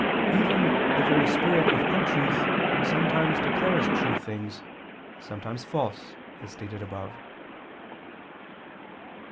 Even the very spirit of untruth sometimes declares true things, sometimes false, as stated above.